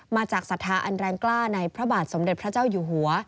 ศรัทธาอันแรงกล้าในพระบาทสมเด็จพระเจ้าอยู่หัว